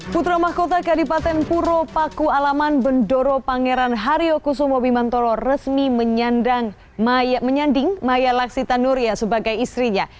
putra mahkota kadipaten puro paku alaman bendoro pangeran haryo kusumo bimantoro resmi menyanding maya laksitanuria sebagai istrinya